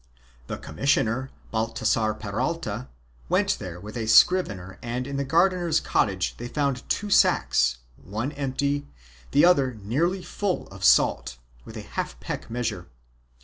The commissioner, Baltasar Peralta, went there with a scrivener and in the gardener's cottage they found two sacks, one empty, the other nearly full of salt, with a half peck measure.